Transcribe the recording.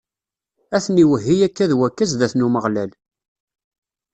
Ad ten-iwehhi akka d wakka zdat n Umeɣlal.